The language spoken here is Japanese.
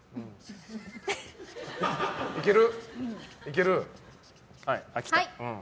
いける？